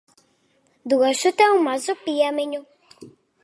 Došu tev mazu piemiņu.